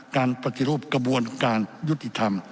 การปฏิรูปกระบวนการยุติธรรม